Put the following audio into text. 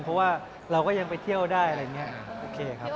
เพราะว่าเราก็ยังไปเที่ยวได้อะไรอย่างนี้โอเคครับ